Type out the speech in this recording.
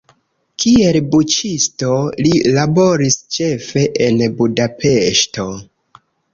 Kiel buĉisto li laboris ĉefe en Budapeŝto.